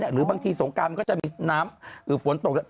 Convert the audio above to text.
หรือบางทีสงการมันก็จะมีน้ำฝนตกแล้ว